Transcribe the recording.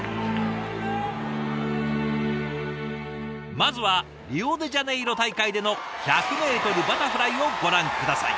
まずはリオデジャネイロ大会での１００メートルバタフライをご覧下さい。